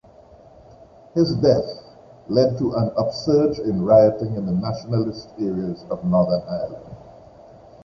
His death led to an upsurge in rioting in nationalist areas of Northern Ireland.